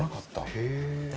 へえ。